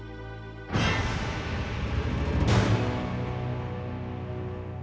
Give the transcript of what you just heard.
aku harus melayanginya dengan baik